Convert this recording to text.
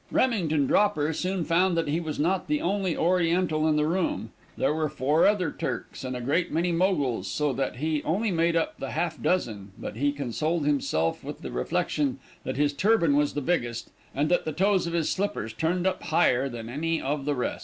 Remington Dropper soon found that he was not the only oriental in the room; there were four other Turks, and a great many Moguls, so that he only made up the half dozen, but he consoled himself with the reflection that his turban was the biggest, and that the toes of his slippers turned up higher than any of the rest.